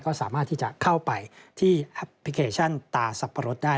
ก็สามารถที่จะเข้าไปที่แอปพลิเคชันตาสับปะรดได้